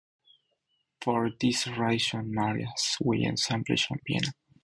For this reason the marriage was established in Vienna.